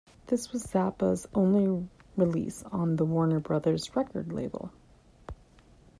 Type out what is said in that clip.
This was Zappa's only release on the Warner Brothers Records label.